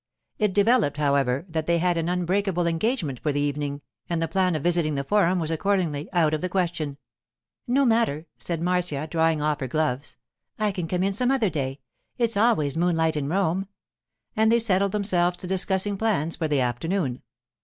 It developed, however, that they had an unbreakable engagement for the evening, and the plan of visiting the Forum was accordingly out of the question. 'No matter,' said Marcia, drawing off her gloves; 'I can come in some other day; it's always moonlight in Rome'; and they settled themselves to discussing plans for the afternoon.